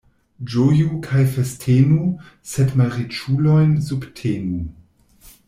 Ĝoju kaj festenu, sed malriĉulojn subtenu.